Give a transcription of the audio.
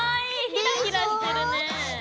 ひらひらしてるね。でしょ。